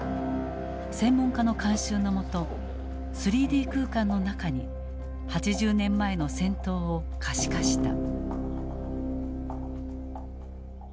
専門家の監修の下３Ｄ空間の中に８０年前の戦闘を可視化した。